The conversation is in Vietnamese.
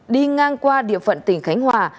đi ngang qua địa phận tỉnh khánh hòa